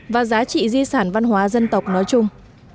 và giá trị di sản văn hóa dân tộc nói chung